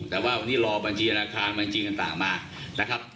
แต่ว่าวันนี้รอบัญชีธนาคารบัญชีต่างมานะครับ